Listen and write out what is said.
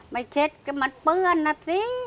เช็ดก็มันเปื้อนนะสิ